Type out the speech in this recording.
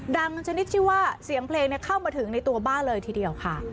ชนิดที่ว่าเสียงเพลงเข้ามาถึงในตัวบ้านเลยทีเดียวค่ะ